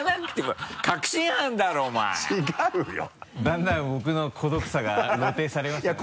だんだん僕の孤独さが露呈されますね。